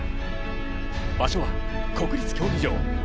場所は国立競技場。